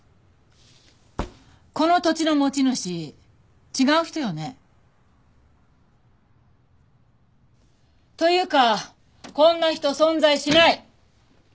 この土地の持ち主違う人よね？というかこんな人存在しない。